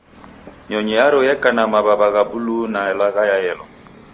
Nyonyi yaro yeka na maw'aw'a gha buluu na lagha ya yelo